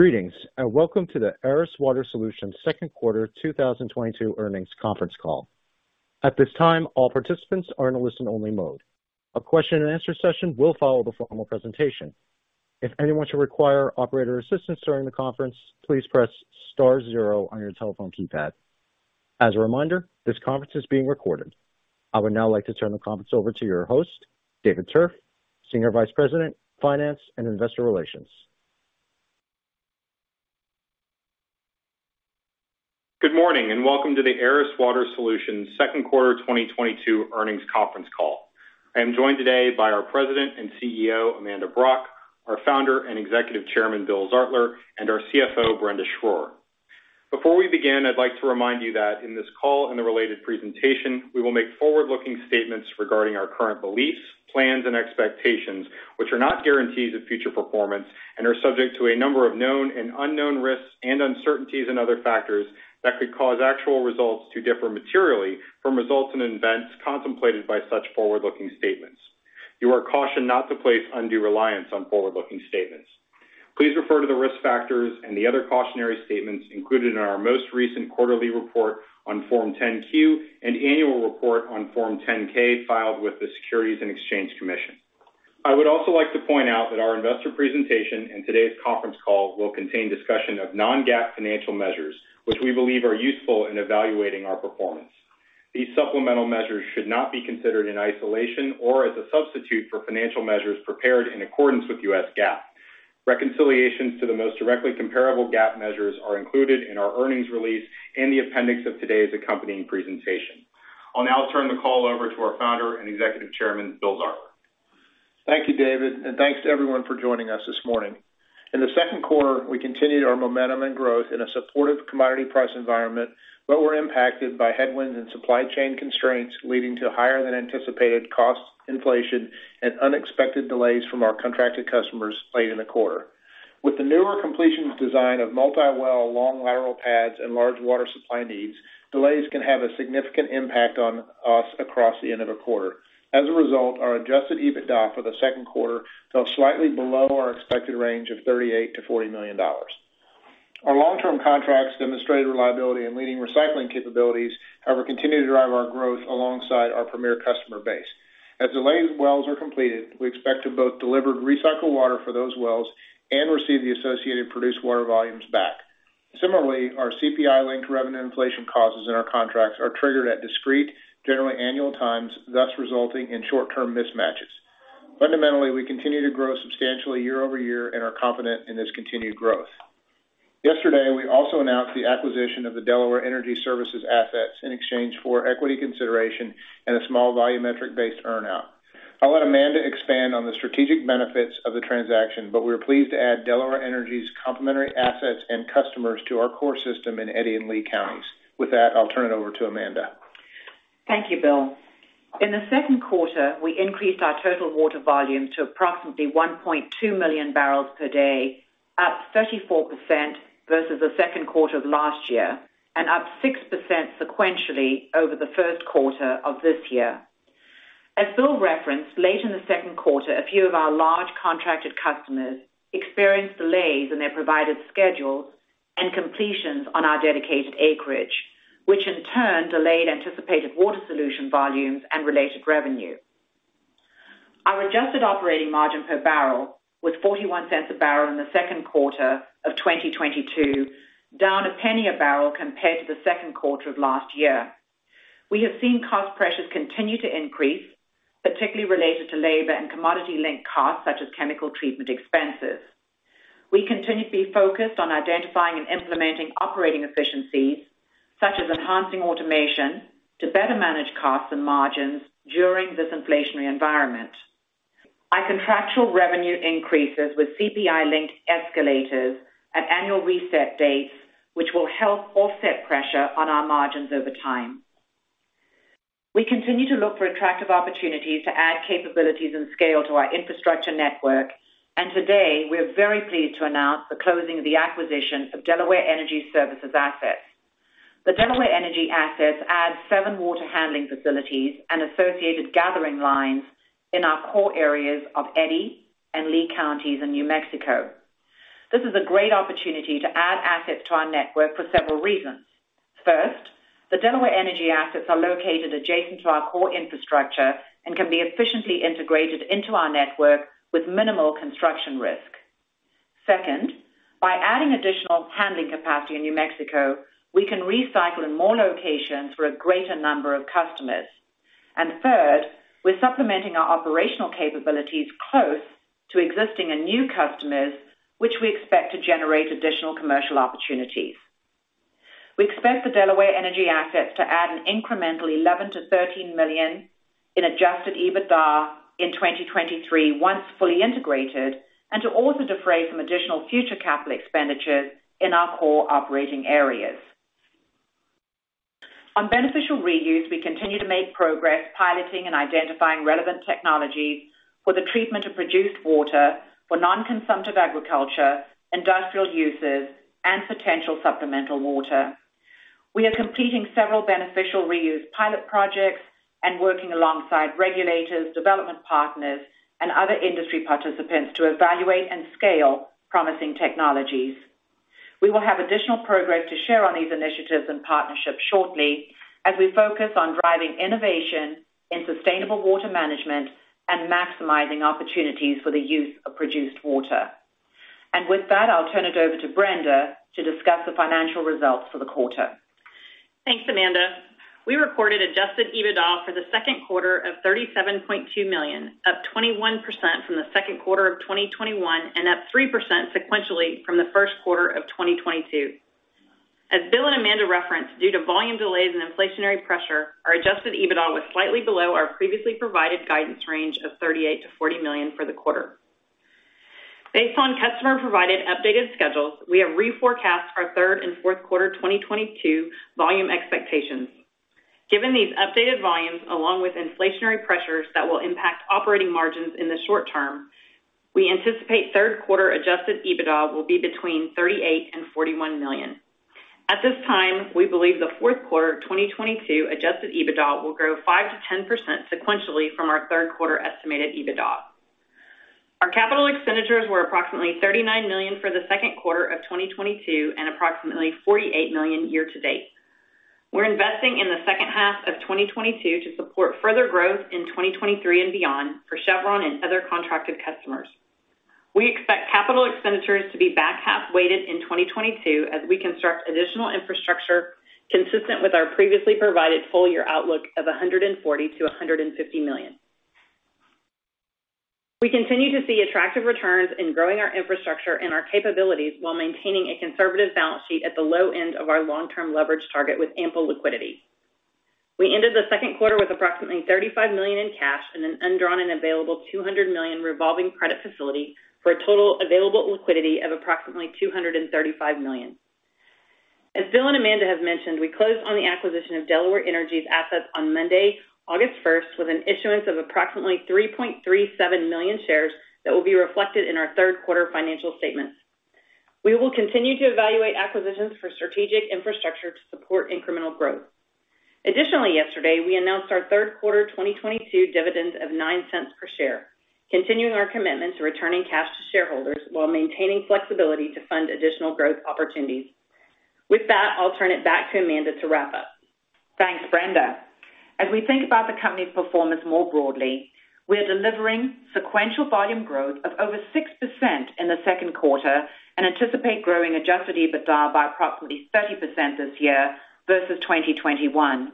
Greetings, and welcome to the Aris Water Solutions second quarter 2022 earnings conference call. At this time, all participants are in a listen-only mode. A question-and-answer session will follow the formal presentation. If anyone should require operator assistance during the conference, please press star zero on your telephone keypad. As a reminder, this conference is being recorded. I would now like to turn the conference over to your host, David Tuerff, Senior Vice President, Finance and Investor Relations. Good morning, and welcome to the Aris Water Solutions second quarter 2022 earnings conference call. I am joined today by our President and CEO, Amanda Brock, our founder and executive chairman, Bill Zartler, and our CFO, Brenda Schroer. Before we begin, I'd like to remind you that in this call and the related presentation, we will make forward-looking statements regarding our current beliefs, plans, and expectations, which are not guarantees of future performance and are subject to a number of known and unknown risks, and uncertainties and other factors that could cause actual results to differ materially from results and events contemplated by such forward-looking statements. You are cautioned not to place undue reliance on forward-looking statements. Please refer to the risk factors and the other cautionary statements included in our most recent quarterly report on Form 10-Q and annual report on Form 10-K filed with the Securities and Exchange Commission. I would also like to point out that our investor presentation and today's conference call will contain discussion of non-GAAP financial measures, which we believe are useful in evaluating our performance. These supplemental measures should not be considered in isolation or as a substitute for financial measures prepared in accordance with U.S. GAAP. Reconciliations to the most directly comparable GAAP measures are included in our earnings release in the appendix of today's accompanying presentation. I'll now turn the call over to our founder and executive chairman, Bill Zartler. Thank you, David, and thanks to everyone for joining us this morning. In the second quarter, we continued our momentum and growth in a supportive commodity price environment, but were impacted by headwinds and supply chain constraints leading to higher than anticipated cost inflation and unexpected delays from our contracted customers late in the quarter. With the newer completions design of multi-well, long lateral pads and large water supply needs, delays can have a significant impact on us across the end of a quarter. As a result, our Adjusted EBITDA for the second quarter fell slightly below our expected range of $38 million-$40 million. Our long-term contracts demonstrated reliability and leading recycling capabilities, however, continue to drive our growth alongside our premier customer base. As delayed wells are completed, we expect to both deliver recycled water for those wells and receive the associated produced water volumes back. Similarly, our CPI-linked revenue inflation clauses in our contracts are triggered at discrete, generally annual times, thus resulting in short-term mismatches. Fundamentally, we continue to grow substantially year-over-year and are confident in this continued growth. Yesterday, we also announced the acquisition of the Delaware Energy Services assets in exchange for equity consideration and a small volumetric-based earn-out. I'll let Amanda expand on the strategic benefits of the transaction, but we are pleased to add Delaware Energy's complementary assets and customers to our core system in Eddy and Lea counties. With that, I'll turn it over to Amanda. Thank you, Bill. In the second quarter, we increased our total water volume to approximately 1.2 million barrels per day, up 34% versus the second quarter of last year and up 6% sequentially over the first quarter of this year. As Bill referenced, late in the second quarter, a few of our large contracted customers experienced delays in their provided schedules and completions on our dedicated acreage, which in turn delayed anticipated water solution volumes and related revenue. Our adjusted operating margin per barrel was $0.41 a barrel in the second quarter of 2022, down $0.01 a barrel compared to the second quarter of last year. We have seen cost pressures continue to increase, particularly related to labor and commodity-linked costs, such as chemical treatment expenses. We continue to be focused on identifying and implementing operating efficiencies, such as enhancing automation to better manage costs and margins during this inflationary environment. Our contractual revenue increases with CPI-linked escalators at annual reset dates, which will help offset pressure on our margins over time. We continue to look for attractive opportunities to add capabilities and scale to our infrastructure network, and today, we are very pleased to announce the closing of the acquisition of Delaware Energy Services assets. The Delaware Energy assets add seven water handling facilities and associated gathering lines in our core areas of Eddy and Lea counties in New Mexico. This is a great opportunity to add assets to our network for several reasons. First, the Delaware Energy assets are located adjacent to our core infrastructure and can be efficiently integrated into our network with minimal construction risk. Second, by adding additional handling capacity in New Mexico, we can recycle in more locations for a greater number of customers. Third, we're supplementing our operational capabilities close to existing and new customers, which we expect to generate additional commercial opportunities. We expect the Delaware Energy assets to add an incremental $11 million-$13 million in Adjusted EBITDA in 2023 once fully integrated, and to also defray some additional future capital expenditures in our core operating areas. On beneficial reuse, we continue to make progress piloting and identifying relevant technologies for the treatment of produced water for non-consumptive agriculture, industrial uses, and potential supplemental water. We are completing several beneficial reuse pilot projects and working alongside regulators, development partners and other industry participants to evaluate and scale promising technologies. We will have additional progress to share on these initiatives and partnerships shortly as we focus on driving innovation in sustainable water management and maximizing opportunities for the use of produced water. With that, I'll turn it over to Brenda to discuss the financial results for the quarter. Thanks, Amanda. We reported Adjusted EBITDA for the second quarter of $37.2 million, up 21% from the second quarter of 2021 and up 3% sequentially from the first quarter of 2022. As Bill and Amanda referenced, due to volume delays and inflationary pressure, our Adjusted EBITDA was slightly below our previously provided guidance range of $38-$40 million for the quarter. Based on customer-provided updated schedules, we have reforecast our third and fourth quarter 2022 volume expectations. Given these updated volumes, along with inflationary pressures that will impact operating margins in the short term, we anticipate third quarter Adjusted EBITDA will be between $38-$41 million. At this time, we believe the fourth quarter 2022 Adjusted EBITDA will grow 5%-10% sequentially from our third quarter estimated EBITDA. Our capital expenditures were approximately $39 million for the second quarter of 2022 and approximately $48 million year to date. We're investing in the second half of 2022 to support further growth in 2023 and beyond for Chevron and other contracted customers. We expect capital expenditures to be back half weighted in 2022 as we construct additional infrastructure consistent with our previously provided full year outlook of $140 million-$150 million. We continue to see attractive returns in growing our infrastructure and our capabilities while maintaining a conservative balance sheet at the low end of our long-term leverage target with ample liquidity. We ended the second quarter with approximately $35 million in cash and an undrawn and available $200 million revolving credit facility for a total available liquidity of approximately $235 million. As Bill and Amanda have mentioned, we closed on the acquisition of Delaware Energy's assets on Monday, August first, with an issuance of approximately 3.37 million shares that will be reflected in our third quarter financial statements. We will continue to evaluate acquisitions for strategic infrastructure to support incremental growth. Additionally, yesterday, we announced our third quarter 2022 dividend of $0.09 per share, continuing our commitment to returning cash to shareholders while maintaining flexibility to fund additional growth opportunities. With that, I'll turn it back to Amanda to wrap up. Thanks, Brenda. As we think about the company's performance more broadly, we are delivering sequential volume growth of over 6% in the second quarter and anticipate growing Adjusted EBITDA by approximately 30% this year versus 2021.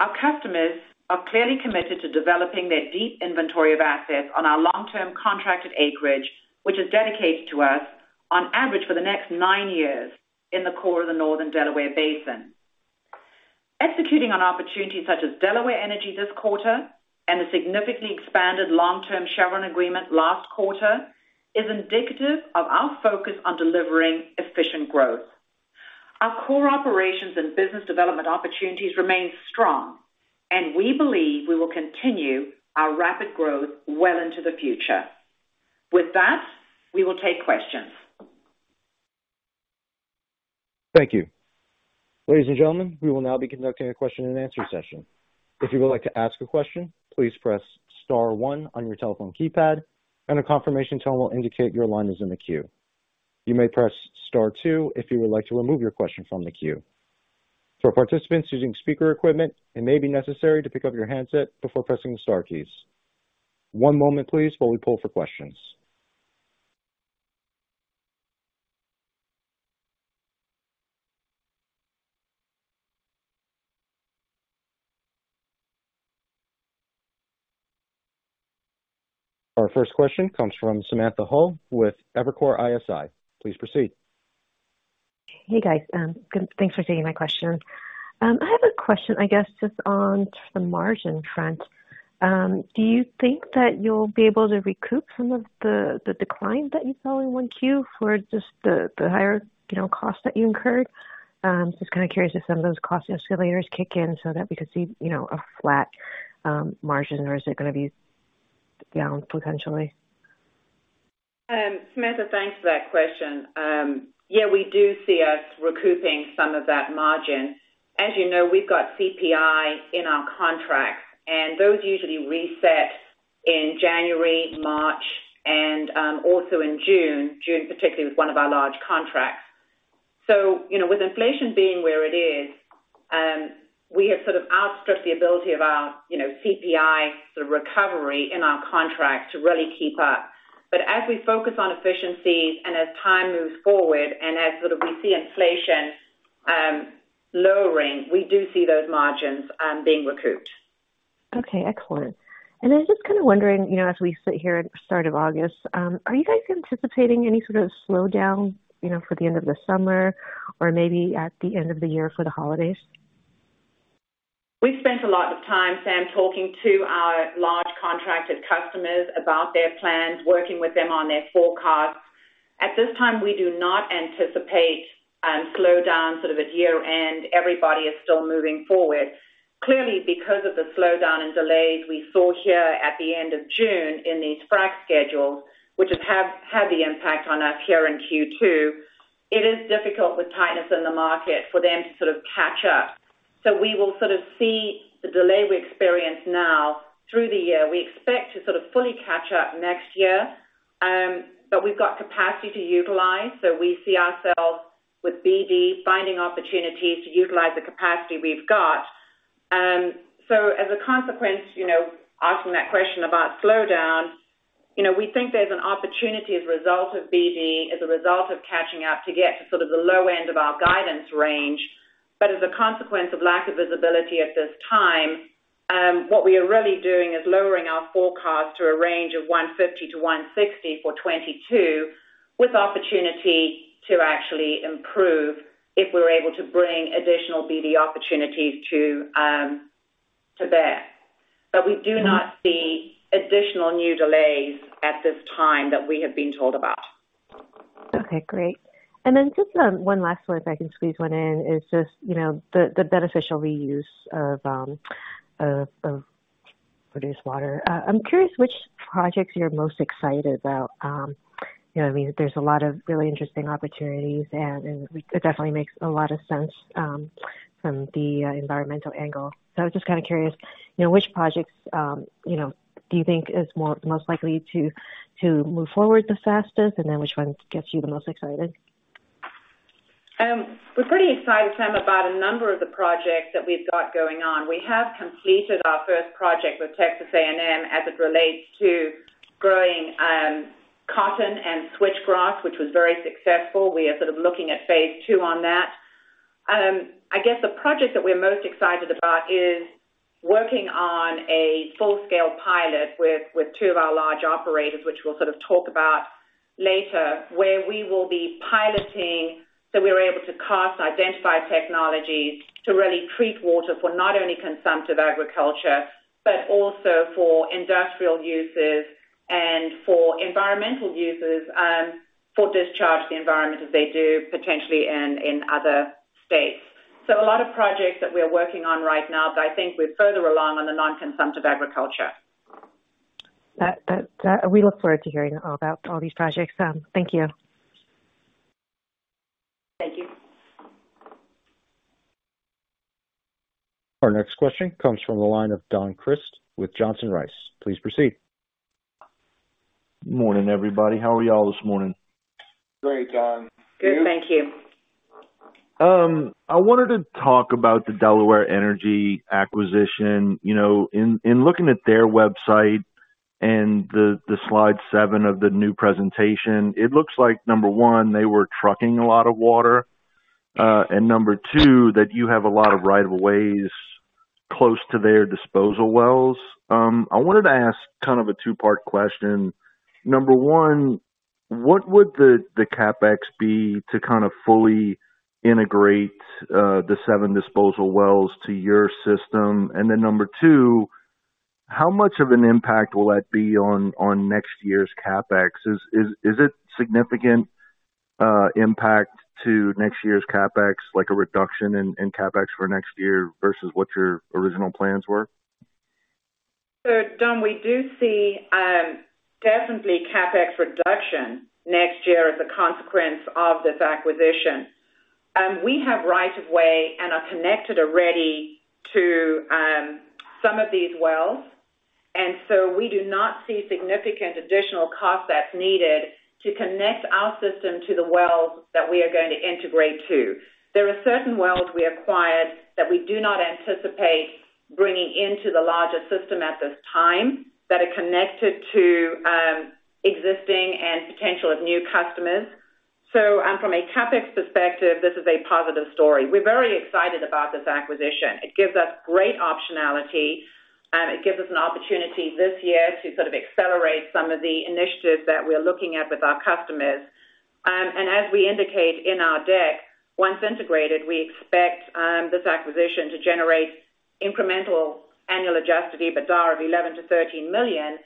Our customers are clearly committed to developing their deep inventory of assets on our long-term contracted acreage, which is dedicated to us on average for the next nine years in the core of the Northern Delaware Basin. Executing on opportunities such as Delaware Energy this quarter and a significantly expanded long-term Chevron agreement last quarter is indicative of our focus on delivering efficient growth. Our core operations and business development opportunities remain strong, and we believe we will continue our rapid growth well into the future. With that, we will take questions. Thank you. Ladies and gentlemen, we will now be conducting a question-and-answer session. If you would like to ask a question, please press star one on your telephone keypad and a confirmation tone will indicate your line is in the queue. You may press star two if you would like to remove your question from the queue. For participants using speaker equipment, it may be necessary to pick up your handset before pressing the star keys. One moment please while we pull for questions. Our first question comes from Samantha Hoh with Evercore ISI. Please proceed. Hey, guys, thanks for taking my question. I have a question, I guess, just on the margin front. Do you think that you'll be able to recoup some of the decline that you saw in 1Q for just the higher, you know, costs that you incurred? Just kind of curious if some of those cost escalators kick in so that we could see, you know, a flat margin, or is it gonna be down potentially? Samantha, thanks for that question. Yeah, we do see us recouping some of that margin. As you know, we've got CPI in our contracts, and those usually reset in January, March, and also in June. June particularly with one of our large contracts. You know, with inflation being where it is, we have sort of outstripped the ability of our, you know, CPI sort of recovery in our contract to really keep up. As we focus on efficiencies and as time moves forward and as sort of we see inflation lowering, we do see those margins being recouped. Okay, excellent. I was just kind of wondering, you know, as we sit here at start of August, are you guys anticipating any sort of slowdown, you know, for the end of the summer or maybe at the end of the year for the holidays? We've spent a lot of time, Sam, talking to our large contracted customers about their plans, working with them on their forecasts. At this time, we do not anticipate slowdown sort of at year-end. Everybody is still moving forward. Clearly because of the slowdown and delays we saw here at the end of June in these frac schedules, which has had the impact on us here in Q2. It is difficult with tightness in the market for them to sort of catch up. We will sort of see the delay we experience now through the year. We expect to sort of fully catch up next year. We've got capacity to utilize, so we see ourselves with BD finding opportunities to utilize the capacity we've got. As a consequence, you know, asking that question about slowdown, you know, we think there's an opportunity as a result of BD, as a result of catching up to get to sort of the low end of our guidance range. As a consequence of lack of visibility at this time, what we are really doing is lowering our forecast to a range of $150-$160 for 2022, with opportunity to actually improve if we're able to bring additional BD opportunities to bear. We do not see additional new delays at this time that we have been told about. Okay, great. Then just one last one, if I can squeeze one in, is just you know the beneficial reuse of produced water. I'm curious which projects you're most excited about. You know, I mean, there's a lot of really interesting opportunities, and it definitely makes a lot of sense from the environmental angle. I was just kind of curious you know which projects you know do you think is most likely to move forward the fastest, and then which one gets you the most excited? We're pretty excited, Sam, about a number of the projects that we've got going on. We have completed our first project with Texas A&M as it relates to growing cotton and switchgrass, which was very successful. We are sort of looking at phase two on that. I guess the project that we're most excited about is working on a full-scale pilot with two of our large operators, which we'll sort of talk about later, where we will be piloting so we're able to identify technologies to really treat water for not only consumptive agriculture, but also for industrial uses and for environmental uses for discharge to the environment as they do potentially in other states. A lot of projects that we're working on right now, but I think we're further along on the non-consumptive agriculture. We look forward to hearing all about all these projects. Thank you. Thank you. Our next question comes from the line of Don Crist with Johnson Rice. Please proceed. Morning, everybody. How are y'all this morning? Great, Don. You? Good, thank you. I wanted to talk about the Delaware Energy acquisition. You know, in looking at their website and the slide 7 of the new presentation, it looks like, number one, they were trucking a lot of water, and number two, that you have a lot of rights-of-way close to their disposal wells. I wanted to ask kind of a two-part question. Number one, what would the CapEx be to kind of fully integrate the seven disposal wells to your system? And then number two, how much of an impact will that be on next year's CapEx? Is it significant impact to next year's CapEx, like a reduction in CapEx for next year versus what your original plans were? Don, we do see definitely CapEx reduction next year as a consequence of this acquisition. We have right of way and are connected already to some of these wells, and so we do not see significant additional cost that's needed to connect our system to the wells that we are going to integrate to. There are certain wells we acquired that we do not anticipate bringing into the larger system at this time that are connected to existing and potential of new customers. From a CapEx perspective, this is a positive story. We're very excited about this acquisition. It gives us great optionality, and it gives us an opportunity this year to sort of accelerate some of the initiatives that we're looking at with our customers. As we indicate in our deck, once integrated, we expect this acquisition to generate incremental annual Adjusted EBITDA of $11 million-$13 million.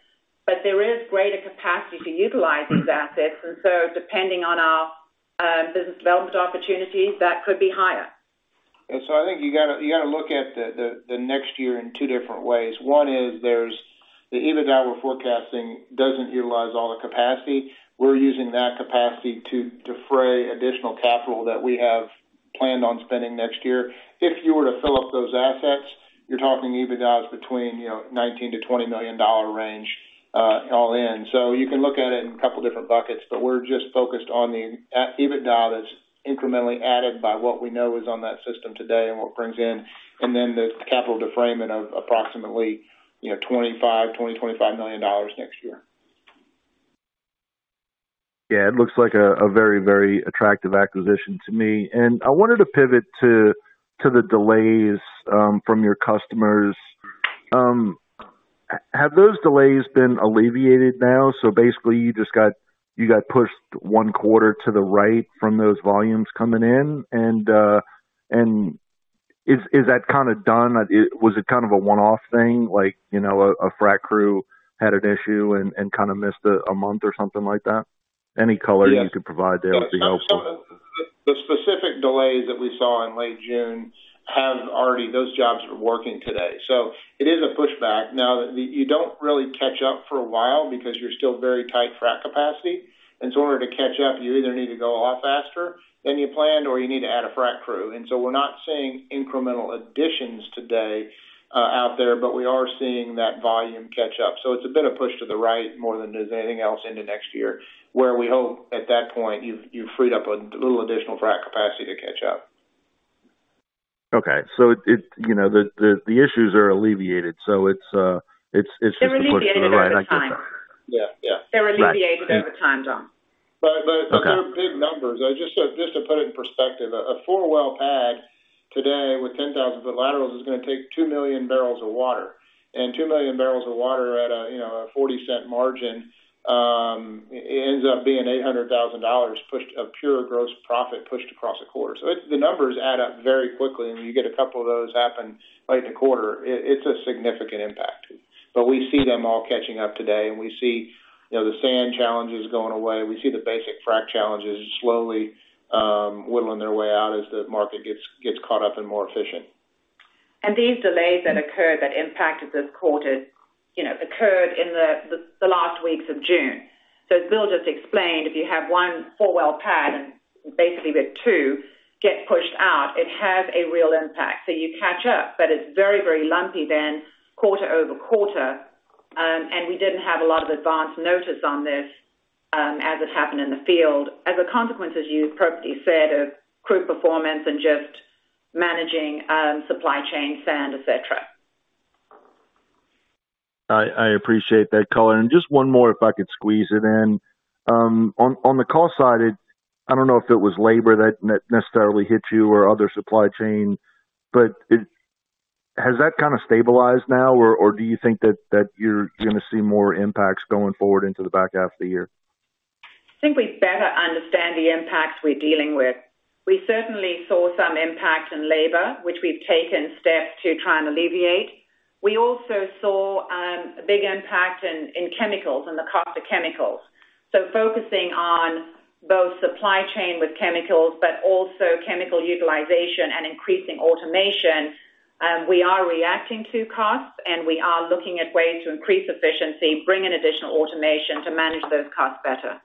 There is greater capacity to utilize these assets, and so depending on our business development opportunities, that could be higher. I think you gotta look at the next year in two different ways. One is there's the EBITDA we're forecasting doesn't utilize all the capacity. We're using that capacity to defray additional capital that we have planned on spending next year. If you were to fill up those assets, you're talking EBITDA is between, you know, $19 million-$20 million range, all in. You can look at it in a couple different buckets, but we're just focused on the EBITDA that's incrementally added by what we know is on that system today and what brings in, and then the capital defrayment of approximately, you know, $20 million-$25 million next year. Yeah, it looks like a very, very attractive acquisition to me. I wanted to pivot to the delays from your customers. Have those delays been alleviated now? Basically, you just got pushed one quarter to the right from those volumes coming in. Is that kinda done? Was it kind of a one-off thing? Like, you know, a frac crew had an issue and kinda missed a month or something like that? Any color you can provide there would be helpful. The specific delays that we saw in late June have already. Those jobs are working today. It is a pushback. Now that you don't really catch up for a while because you're still very tight frac capacity. In order to catch up, you either need to go a lot faster than you planned or you need to add a frac crew. We're not seeing incremental additions today, out there, but we are seeing that volume catch up. It's a bit of push to the right more than it is anything else into next year, where we hope at that point, you've freed up a little additional frac capacity to catch up. Okay. It, you know, the issues are alleviated, so it's just a push to the right. They're alleviated over time. Yeah. Yeah. They're alleviated over time, John. Okay. They're big numbers. Just to put it in perspective, a four-well pad today with 10,000-foot laterals is gonna take 2 million barrels of water. 2 million barrels of water at a, you know, a 40-cent margin, it ends up being $800,000 of pure gross profit pushed across a quarter. The numbers add up very quickly, and you get a couple of those happen late in the quarter, it's a significant impact. We see them all catching up today, and we see, you know, the sand challenges going away. We see the basic frac challenges slowly whittling their way out as the market gets caught up and more efficient. These delays that occurred that impacted this quarter, you know, occurred in the last weeks of June. As Bill just explained, if you have one four-well pad, and basically with two get pushed out, it has a real impact. You catch up, but it's very, very lumpy quarter-over-quarter. We didn't have a lot of advance notice on this, as it happened in the field. As a consequence, as you appropriately said, of crew performance and just managing, supply chain, sand, et cetera. I appreciate that color. Just one more, if I could squeeze it in. On the cost side, I don't know if it was labor that necessarily hit you or other supply chain, but has that kind of stabilized now? Or do you think that you're gonna see more impacts going forward into the back half of the year? I think we better understand the impacts we're dealing with. We certainly saw some impact in labor, which we've taken steps to try and alleviate. We also saw a big impact in chemicals and the cost of chemicals. Focusing on both supply chain with chemicals, but also chemical utilization and increasing automation, we are reacting to costs, and we are looking at ways to increase efficiency, bring in additional automation to manage those costs better.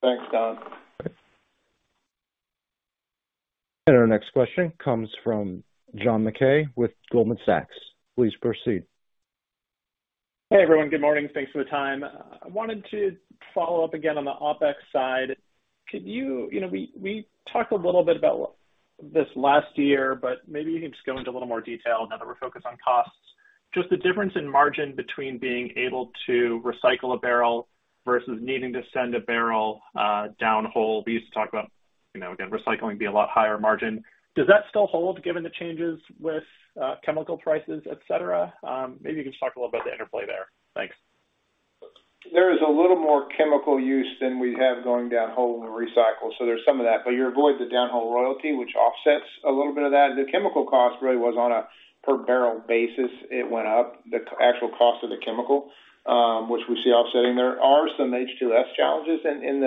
Thanks, John. Our next question comes from John Mackay with Goldman Sachs. Please proceed. Hey, everyone. Good morning. Thanks for the time. I wanted to follow up again on the OpEx side. Could you? You know, we talked a little bit about this last year, but maybe you can just go into a little more detail now that we're focused on costs. Just the difference in margin between being able to recycle a barrel versus needing to send a barrel downhole. We used to talk about, you know, again, recycling being a lot higher margin. Does that still hold given the changes with chemical prices, et cetera? Maybe you can just talk a little about the interplay there. Thanks. There is a little more chemical use than we have going downhole in recycle, so there's some of that. You avoid the downhole royalty, which offsets a little bit of that. The chemical cost really was on a per barrel basis. It went up, the actual cost of the chemical, which we see offsetting. There are some H2S challenges in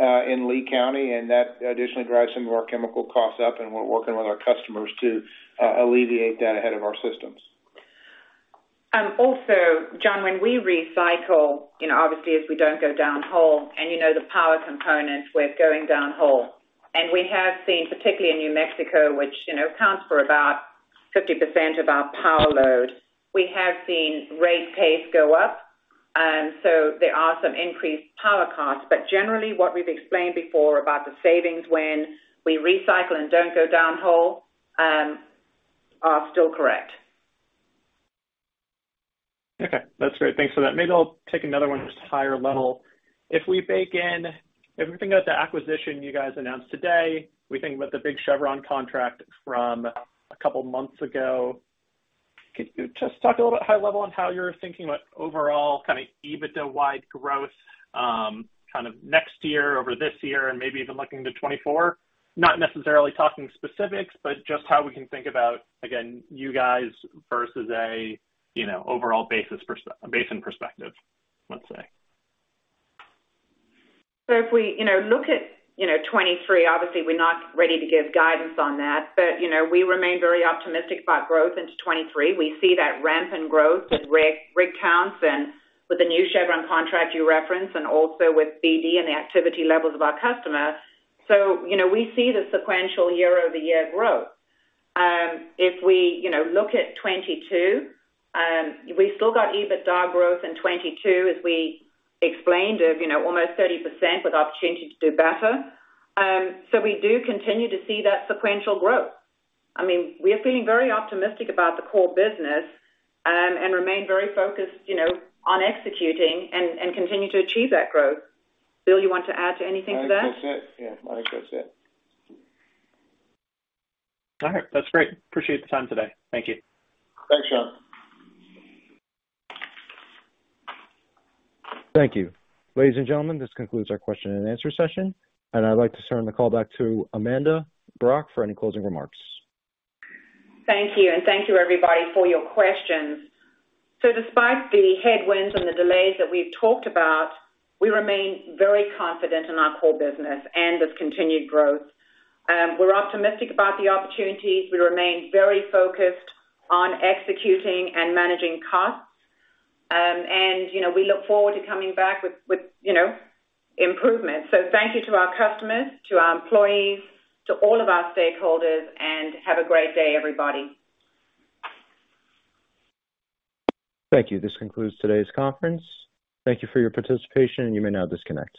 Lea County, and that additionally drives some of our chemical costs up, and we're working with our customers to alleviate that ahead of our systems. Also, John, when we recycle, you know, obviously, if we don't go downhole and you know the power component with going downhole, and we have seen, particularly in New Mexico, which, you know, accounts for about 50% of our power load, we have seen rate case go up. There are some increased power costs. Generally, what we've explained before about the savings when we recycle and don't go downhole, are still correct. Okay, that's great. Thanks for that. Maybe I'll take another one just higher level. If we bake in everything about the acquisition you guys announced today, we think about the big Chevron contract from a couple months ago. Could you just talk a little bit high level on how you're thinking about overall kind of EBITDA-wide growth, kind of next year over this year and maybe even looking to 2024? Not necessarily talking specifics, but just how we can think about, again, you guys versus a, you know, overall basis basin perspective, let's say. If we, you know, look at, you know, 2023, obviously, we're not ready to give guidance on that, but, you know, we remain very optimistic about growth into 2023. We see that ramp in growth with rig counts and with the new Chevron contract you referenced and also with BD and the activity levels of our customers. You know, we see the sequential year-over-year growth. If we, you know, look at 2022, we still got EBITDA growth in 2022, as we explained, of, you know, almost 30% with opportunity to do better. We do continue to see that sequential growth. I mean, we are feeling very optimistic about the core business, and remain very focused, you know, on executing and continue to achieve that growth. Bill, you want to add anything to that? I think that's it. Yeah. I think that's it. All right. That's great. Appreciate the time today. Thank you. Thanks, John. Thank you. Ladies and gentlemen, this concludes our question and answer session, and I'd like to turn the call back to Amanda Brock for any closing remarks. Thank you, and thank you, everybody, for your questions. Despite the headwinds and the delays that we've talked about, we remain very confident in our core business and this continued growth. We're optimistic about the opportunities. We remain very focused on executing and managing costs. You know, we look forward to coming back with improvements. Thank you to our customers, to our employees, to all of our stakeholders, and have a great day, everybody. Thank you. This concludes today's conference. Thank you for your participation, and you may now disconnect.